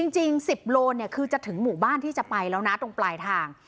จริง๑๐โลเนี่ยคือจะถึงหมู่บ้านที่จะไปแล้วนะตรงปลายทาง